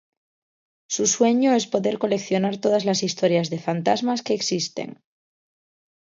Su sueño es poder coleccionar todas las historias de fantasmas que existen.